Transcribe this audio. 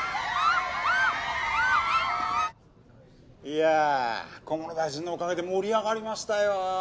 いや菰野大臣のおかげで盛り上がりましたよ。